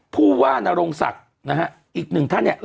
ผู้ว่านรงศักดิ์นะฮะอีกหนึ่งท่านเนี่ย